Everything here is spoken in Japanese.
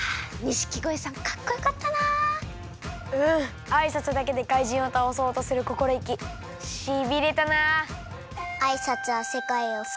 あいさつだけでかいじんをたおそうとするこころいきしびれたな。